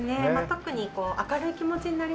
特に明るい気持ちになりますね。